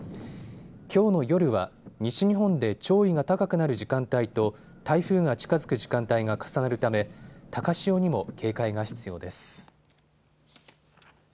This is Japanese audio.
きょうの夜は西日本で潮位が高くなる時間帯と台風が近づく時間帯が重なるため高潮にも警戒が必要です。